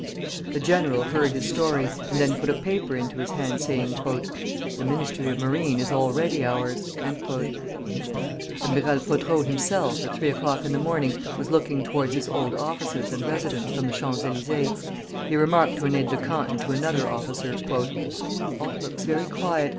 The general heard his story, and then put a paper into his hand, saying, "The Ministry of Marine is already ours." Admiral Pothereau himself, at three o'clock in the morning, was looking towards his old offices and residence from the Champs Élysées. He remarked to an aide de camp and to another officer: "All looks very quiet.